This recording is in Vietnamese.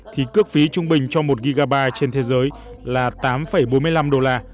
thì cước phí trung bình cho một gigabyte trên thế giới là tám bốn mươi năm đô la